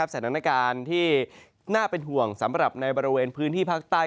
สถานการณ์ที่น่าเป็นห่วงสำหรับในบริเวณพื้นที่ภาคใต้